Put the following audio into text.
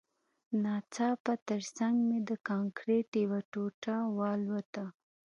ناڅاپه ترڅنګ مې د کانکریټ یوه ټوټه والوته